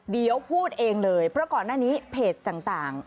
เดี๋ยวพูดเองเลยเพราะก่อนหน้านี้เพจต่าง